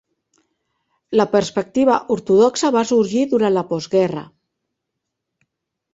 La perspectiva ortodoxa va sorgir durant la postguerra.